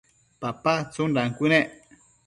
papa tsundan cuënec